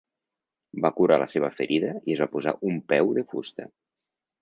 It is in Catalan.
Va curar la seva ferida i es va posar un peu de fusta.